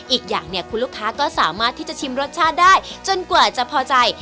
อีกอย่างเนี่ยคุณลูกค้าก็สามารถที่จะชิมรสชาติได้จนกว่าจะพอใจ